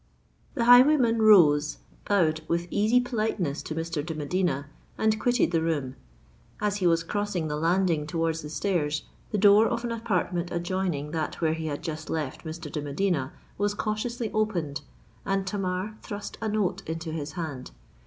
The highwayman rose, bowed with easy politeness to Mr. de Medina, and quitted the room. As he was crossing the landing towards the stairs, the door of an apartment adjoining that where he had just left Mr. de Medina, was cautiously opened, and Tamar thrust a note into his hand.